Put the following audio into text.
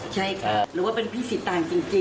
ใช่ค่ะหรือว่าเป็นพี่สิตางจริง